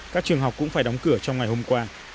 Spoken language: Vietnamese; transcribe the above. các trường học cũng phải đóng cửa trong ngày hôm qua